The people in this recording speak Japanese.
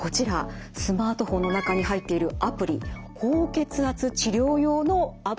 スマートフォンの中に入っているアプリ高血圧治療用のアプリなんです。